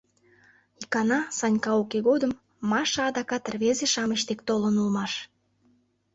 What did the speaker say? Икана, Санька уке годым, Маша адакат рвезе-шамыч дек толын улмаш.